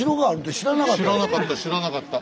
知らなかった知らなかった。